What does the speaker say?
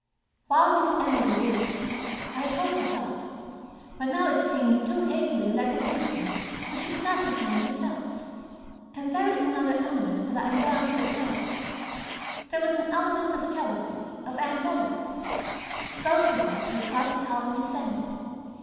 While Miss Emily lived, I had hoped to help. But now it seemed too hatefully like accusing when she could not defend herself. And there is another element that I am bound to acknowledge. There was an element of jealousy of Anne Bullard. Both of us had tried to help Miss Emily.